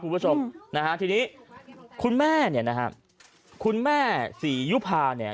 คุณผู้ชมนะฮะทีนี้คุณแม่เนี่ยนะฮะคุณแม่ศรียุภาเนี่ย